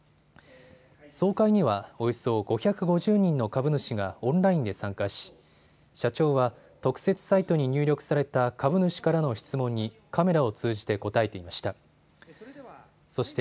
総会にはおよそ５５０人の株主がオンラインで参加し、社長は特設サイトに入力された株主からの質問にカメラを通じて答えていました。